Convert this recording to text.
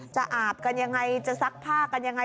อาบกันยังไงจะซักผ้ากันยังไง